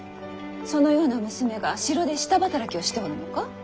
そのような娘が城で下働きをしておるのか？